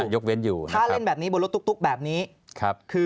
ยกเว้นอยู่ถ้าเล่นแบบนี้บนรถตุ๊กแบบนี้